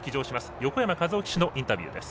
横山和生騎手のインタビューです。